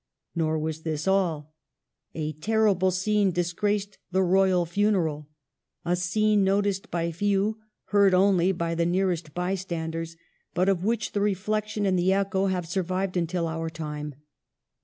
Nor was this all. A terrible scene disgraced the royal funeral, — a scene noticed by few, heard only by the nearest bystanders, but of which the reflection and the echo have sur vived until our time.